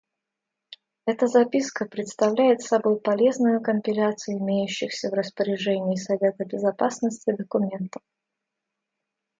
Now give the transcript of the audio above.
Эта записка представляет собой полезную компиляцию имеющихся в распоряжении Совета Безопасности документов.